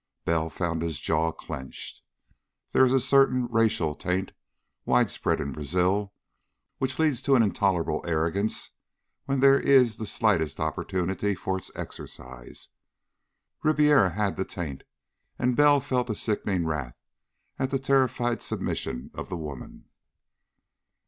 Bell found his jaws clenched. There is a certain racial taint widespread in Brazil which leads to an intolerable arrogance when there is the slightest opportunity for its exercise. Ribiera had the taint, and Bell felt a sickening wrath at the terrified submission of the women.